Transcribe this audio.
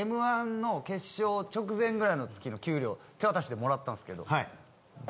『Ｍ−１』の決勝直前ぐらいの月の給料手渡しでもらったんですけど。